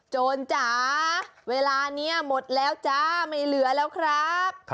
โจรจ๋าเวลานี้หมดแล้วจ้าไม่เหลือแล้วครับ